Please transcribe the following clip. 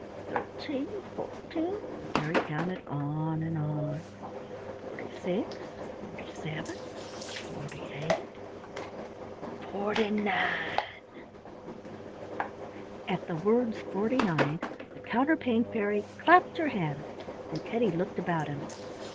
"Thirteen—fourteen" —the fairy counted on and on. "Forty six—forty seven—forty eight—FORTY NINE!" At the words forty nine, the Counterpane Fairy clapped her hands and Teddy looked about him.